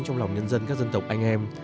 trong lòng nhân dân các dân tộc anh em